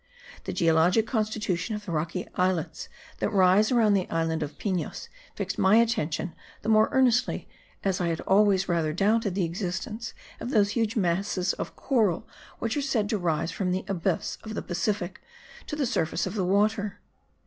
The geologic constitution of the rocky islets that rise around the island of Pinos fixed my attention the more earnestly as I had always rather doubted of the existence of those huge masses of coral which are said to rise from the abyss of the Pacific to the surface of the water.